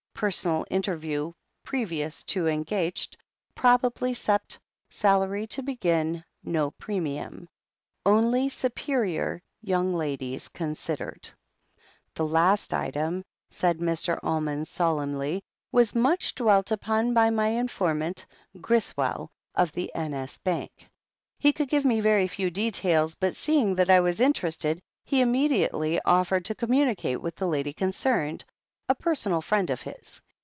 Q "Personal interview previous to engagt. Probably Sept. Salary to begin — ^no premiimi." ''Only superior young ladies considered/' "The last item," said Mr. Almond solemnly, "was much dwelt upon by my informant — Griswell, of the N. S. Bank. He could give me" very few details, but seeing that I was iiterested, he immediately offered to communicate with the lady concerned, a personal friend of his.